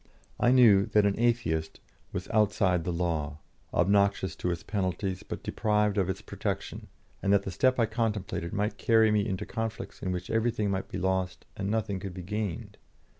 I knew that an Atheist was outside the law, obnoxious to its penalties, but deprived of its protection, and that the step I contemplated might carry me into conflicts in which everything might be lost and nothing could be gained.